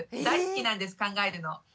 大好きなんです考えるの。